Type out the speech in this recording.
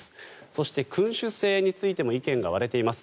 そして、君主制についても意見が割れています。